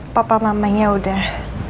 papa mamanya udah